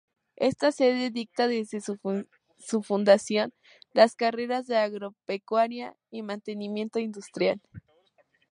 Esta sede dicta desde su fundación las carreras de Agropecuaria y Mantenimiento Industrial.